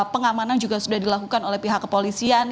pengamanan juga sudah dilakukan oleh pihak kepolisian